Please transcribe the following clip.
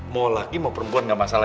mau laki mau perempuan nggak masalah